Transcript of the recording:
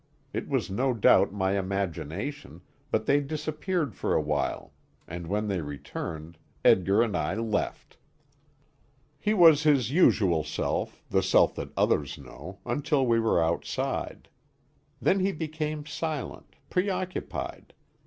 It was no doubt my imagination, but they disappeared for a while, and when they returned, Edgar and I left. He was his usual self the self that others know, until we were outside. Then he became silent preoccupied.